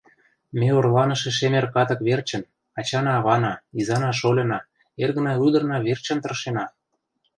Ме орланыше шемер катык верчын, ачана-авана, изана-шольына, эргына-ӱдырна верчын тыршена.